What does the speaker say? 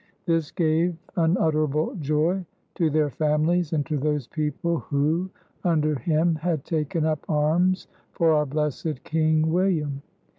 This gave unutterable joy to their families and to those people who, under him, had taken up arms for our blessed King William.